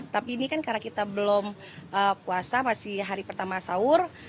tapi ini kan karena kita belum puasa masih hari pertama sahur